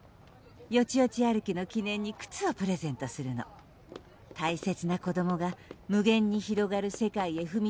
よちよち歩きの記念に靴をプレゼントするの大切な子どもが無限にひろがる世界へふみ出していく